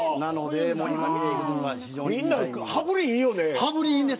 みんな羽振りがいいよね。